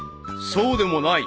［そうでもない］